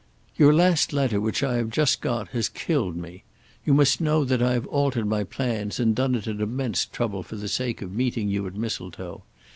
Your last letter which I have just got has killed me. You must know that I have altered my plans and done it at immense trouble for the sake of meeting you at Mistletoe.